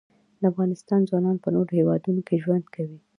د افغانستان ځوانان په نورو هیوادونو کې ژوند کوي.